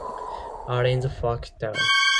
Alien Faktor